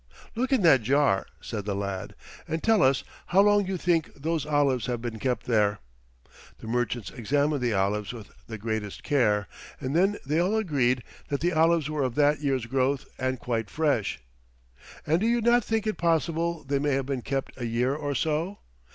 "Look in that jar," said the lad, "and tell us how long you think those olives have been kept there." The merchants examined the olives with the greatest care, and then they all agreed that the olives were of that year's growth and quite fresh. "And do you not think it possible they may have been kept a year or so?"